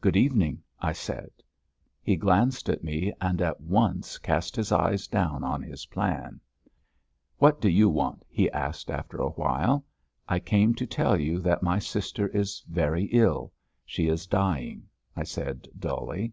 "Good evening," I said. He glanced at me and at once cast his eyes down on his plan. "What do you want?" he asked after a while. "I came to tell you that my sister is very ill. She is dying," I said dully.